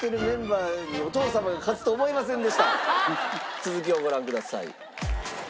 続きをご覧ください。